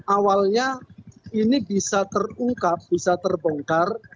awalnya ini bisa terungkap bisa terbongkar